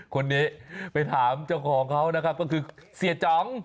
คนนี้ไปถามเจ้าของเขานะครับก็คือเสียจ๋อง